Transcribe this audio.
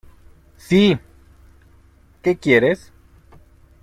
¡ sí!... ¿ qué quieres?